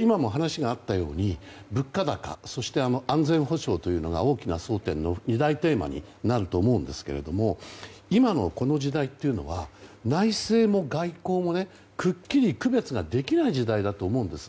今も話があったように物価高そして、安全保障というのが大きな争点の２大テーマになると思うんですが今のこの時代というのは内政も外交もくっきり区別ができない時代だと思うんです。